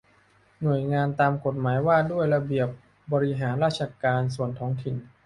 หน่วยงานตามกฎหมายว่าด้วยระเบียบบริหารราชการส่วนท้องถิ่น